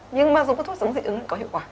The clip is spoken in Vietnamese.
nhưng mà dùng thuốc sống dị ứng có hiệu quả